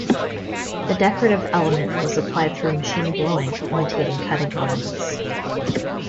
The decorative element was applied through machine blowing imitating cutting elements.